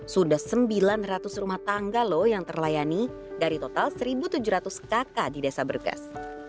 sudah sembilan ratus rumah tangga loh yang terlayani dari total satu tujuh ratus kakak di desa berkas